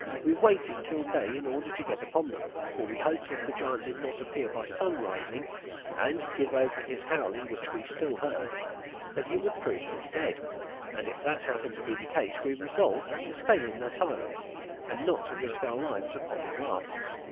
We waited till day in order to get upon them, for we hoped if the giant did not appear by sunrising, and give over his howling, which we still heard, that he would prove to be dead; and if that happened to be the case, we resolved to stay in that island, and not to risk our lives upon the rafts.